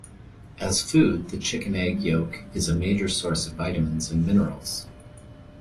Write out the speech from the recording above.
As food, the chicken egg yolk is a major source of vitamins and minerals.